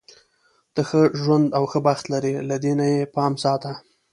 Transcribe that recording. ته ښه ژوند او ښه بخت لری، له دې نه یې پام ساته.